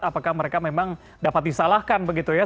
apakah mereka memang dapat disalahkan begitu ya